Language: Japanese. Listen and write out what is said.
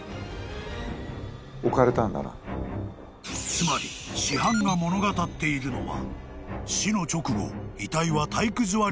［つまり死斑が物語っているのは］